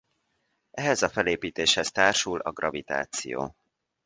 Ehhez a felépítéshez társul a gravitáció.